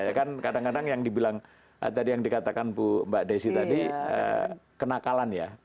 ya kan kadang kadang yang dibilang tadi yang dikatakan mbak desi tadi kenakalan ya